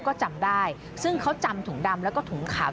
ก็จำได้ซึ่งเขาจำถุงดำแล้วก็ถุงขาว